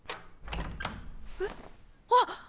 えっ？あっ！？